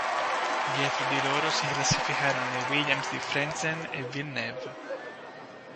Dietro di loro si classificarono le Williams di Frentzen e Villeneuve.